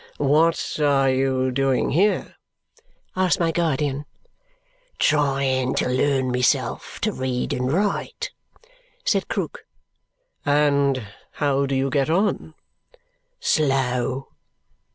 "What are you doing here?" asked my guardian. "Trying to learn myself to read and write," said Krook. "And how do you get on?" "Slow.